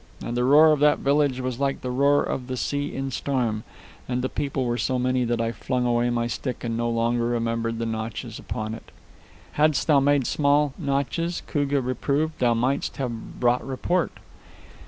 And the roar of that village was like the roar of the sea in storm, and the people were so many that I flung away my stick and no longer remembered the notches upon it." "Hadst thou made small notches," Koogah reproved, "thou mightst have brought report."